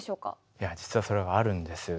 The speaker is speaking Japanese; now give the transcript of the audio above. いや実はそれがあるんです。